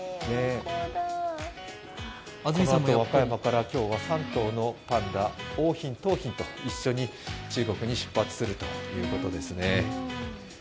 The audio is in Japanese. このあと、和歌山から今日は３頭のパンダ、桜浜、桃浜と一緒に中国に出発するということですね。